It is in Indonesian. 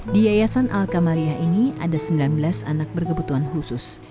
di yayasan al kamaliah ini ada sembilan belas anak berkebutuhan khusus